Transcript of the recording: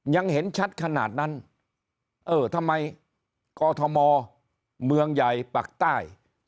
ยังเห็นชัดขนาดนั้นเออทำไมกอทมเมืองใหญ่ปากใต้